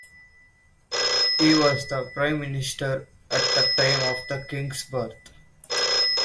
He was Prime Minister at the time of the King's birth.